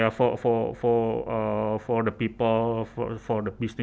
bagi orang pemain bisnis